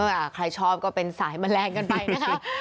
ใครชอบก็เป็นสายแมลงกันไปนะคะ